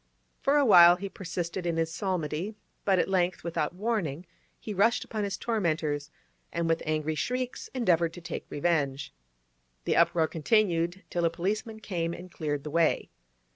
For a while he persisted in his psalmody, but at length, without warning, he rushed upon his tormentors, and with angry shrieks endeavoured to take revenge. The uproar continued till a policeman came and cleared the way.